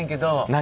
何？